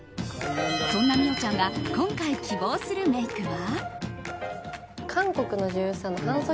そんな美桜ちゃんが今回、希望するメイクは？